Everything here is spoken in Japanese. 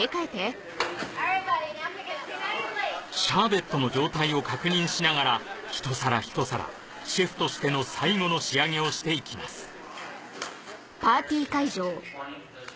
シャーベットの状態を確認しながら一皿一皿シェフとしての最後の仕上げをしていきます